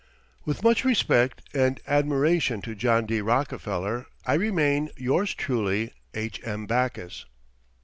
With much respect and admiration to John D. Rockefeller I remain, Yours truly, H.M. BACKUS.